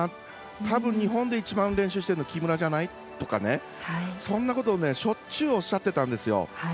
たぶん日本で一番練習してるの木村じゃない？とかそんなことをしょっちゅうおっしゃってたんですよ。